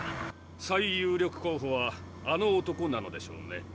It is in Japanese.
最有力候補はあの男なのでしょうね。